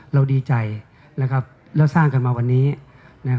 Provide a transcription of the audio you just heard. เราดีใจแล้วสร้างกันมาวันนี้